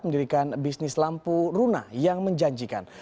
mendirikan bisnis lampu runa yang menjanjikan